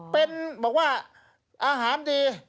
เป็นบอกว่าอาหารดี